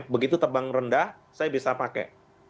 begitu terbang rendah saya bisa pakai